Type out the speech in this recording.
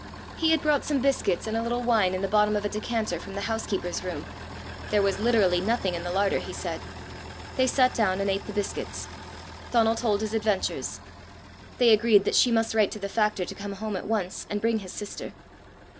He had brought some biscuits and a little wine in the bottom of a decanter from the housekeeper's room: there was literally nothing in the larder, he said. They sat down and ate the biscuits. Donal told his adventures. They agreed that she must write to the factor to come home at once, and bring his sister.